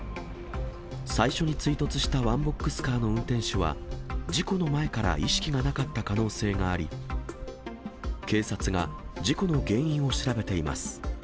最初に追突したワンボックスカーの運転手は、事故の前から意識がなかった可能性があり、警察が事故の原因を調べています。